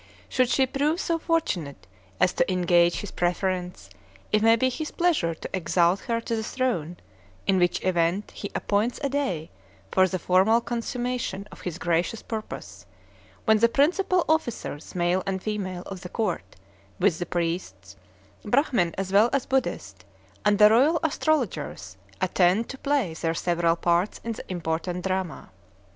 Should she prove so fortunate as to engage his preference, it may be his pleasure to exalt her to the throne; in which event he appoints a day for the formal consummation of his gracious purpose, when the principal officers, male and female, of the court, with the priests, Brahmin as well as Buddhist, and the royal astrologers, attend to play their several parts in the important drama.